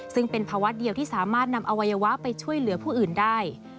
ซึ่งเป็นภาวะเดียวที่สามารถนำอวัยวะไปช่วยเหลือผู้อื่นได้